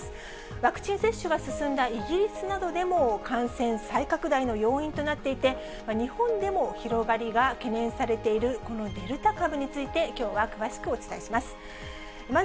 ワクチン接種が進んだイギリスなどでも感染再拡大の要因となっていて、日本でも広がりが懸念されている、このデルタ株について、きょうは詳しくお伝えします。